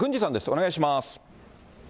お願いします。